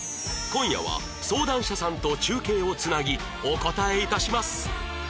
今夜は相談者さんと中継を繋ぎお答え致します